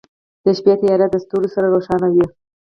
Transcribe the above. • د شپې تیاره د ستورو سره روښانه وي.